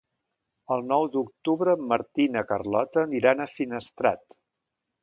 El nou d'octubre en Martí i na Carlota aniran a Finestrat.